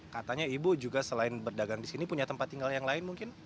katanya ibu juga selain berdagang di sini punya tempat tinggal yang lain mungkin